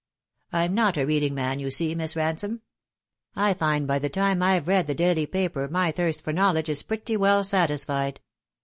I'm not a reading man, you see, Miss Ransome. I find by the time I've read the daily papers my thirst for knowledge is pretty well satisfied.